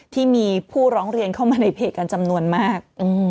ที่มีผู้ร้องเรียนเข้ามาในเพจกันจำนวนมาก